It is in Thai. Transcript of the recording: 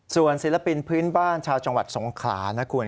ส่วนศิลปินพื้นบ้านชาวจังหวัดสงขลานะคุณ